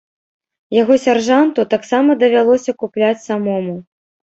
Яго сяржанту таксама давялося купляць самому.